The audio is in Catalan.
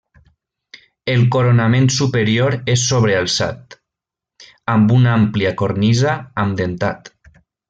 El coronament superior és sobrealçat, amb una àmplia cornisa amb dentat.